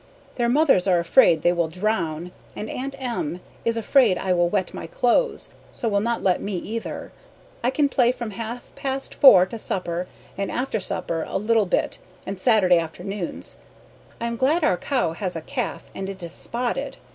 Their mothers are afraid they will drown and Aunt M. is afraid I will wet my clothes so will not let me either. I can play from half past four to supper and after supper a little bit and Saturday afternoons. I am glad our cow has a calf and it is spotted.